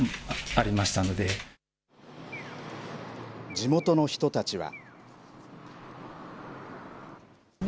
地元の人たちは。